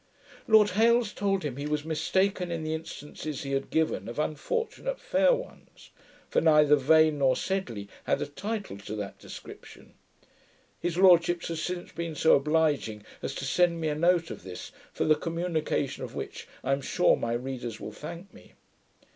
Lord Hailes told him, he was mistaken in the instances he had given of unfortunate fair ones; for neither Vane nor Sedley had a title to that description. His Lordship has since been so obliging as to send me a note of this, for the communication of which I am sure my readers will thank me.